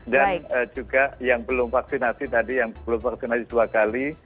dan juga yang belum vaksinasi tadi yang belum vaksinasi dua kali